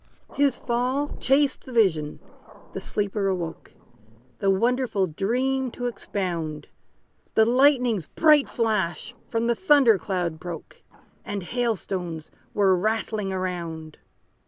His fall chased the vision the sleeper awoke, The wonderful dream to expound; The lightning's bright flash from the thunder cloud broke, And hail stones were rattling around.